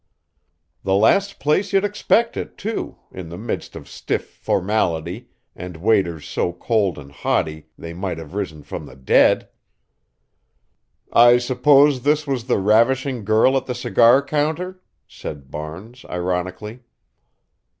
The last place you'd expect it, too, in the midst of stiff formality and waiters so cold and haughty they might have risen from the dead." "I suppose this was the ravishing girl at the cigar counter?" said Barnes, ironically.